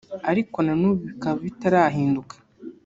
ariko na nubu bikaba bitarahinduka